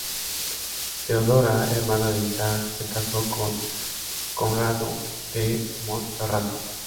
Teodora, hermana de Isaac, se casó con Conrado de Montferrato.